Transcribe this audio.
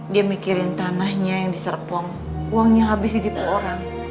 dia mikirin tanahnya yang diserpong uangnya habis di juta orang